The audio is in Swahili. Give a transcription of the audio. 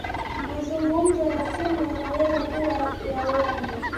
mazungumzo ya simu yanaweza kuwa ya uongo